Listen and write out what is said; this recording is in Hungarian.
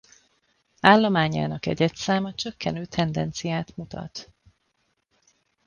Állományának egyedszáma csökkenő tendenciát mutat.